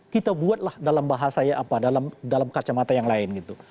kita buatlah dalam bahasa ya apa dalam kacamata yang lain gitu